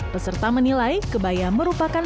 peserta menilai kebaya merupakan